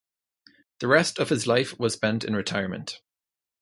The rest of his life was spent in retirement.